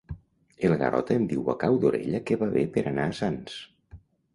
El Garota em diu a cau d'orella que va bé per anar a Sants.